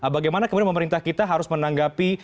bagaimana kemudian pemerintah kita harus menanggapi